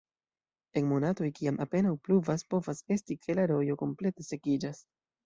En monatoj, kiam apenaŭ pluvas, povas esti ke la rojo komplete sekiĝas.